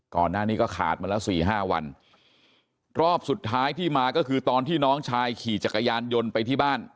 ก่อนหน้านี้ก็ขาดมาแล้วสี่ห้าวันรอบสุดท้ายที่มาก็คือตอนที่น้องชายขี่จักรยานยนต์ไปที่บ้าน